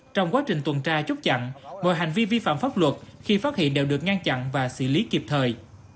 trong quá trình tuần tra chốt chặn mọi hành vi vi phạm pháp luật khi phát hiện đều được ngăn chặn và xử lý kịp thời